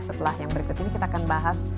setelah yang berikut ini kita akan bahas